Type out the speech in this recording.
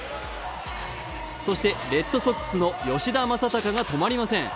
そしてレッドソックスの吉田正尚が止まりません。